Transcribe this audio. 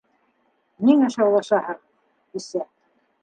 — Ниңә шаулашаһығыҙ, бисә?!